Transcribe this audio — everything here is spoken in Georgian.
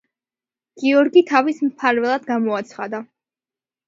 გიორგი თავის მფარველად გამოაცხადა.